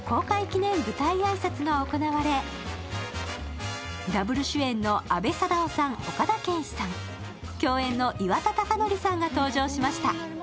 記念舞台挨拶が行われ、ダブル主演の阿部サダヲさん、岡田健史さん、共演の岩田剛典さんが登場しました。